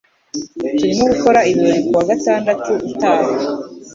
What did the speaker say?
Turimo gukora ibirori kuwa gatandatu utaha..